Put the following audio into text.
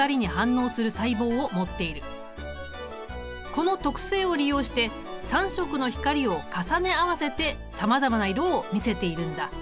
この特性を利用して３色の光を重ね合わせてさまざまな色を見せているんだ。